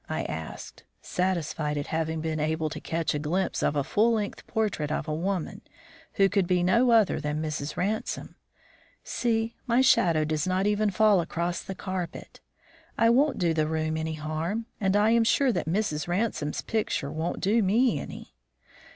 I asked, satisfied at having been able to catch a glimpse of a full length portrait of a lady who could be no other than Mrs. Ransome. "See! my shadow does not even fall across the carpet. I won't do the room any harm, and I am sure that Mrs. Ransome's picture won't do me any."